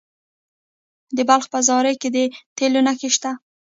د بلخ په زاري کې د تیلو نښې شته.